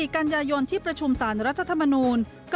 ๑๔กัญญายนฝ่ายที่ประชุมสารรัฐธรรมนุนัทพิเศษ